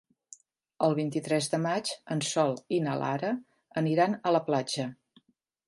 El vint-i-tres de maig en Sol i na Lara aniran a la platja.